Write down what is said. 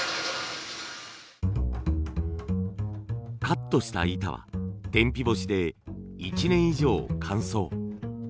カットした板は天日干しで１年以上乾燥。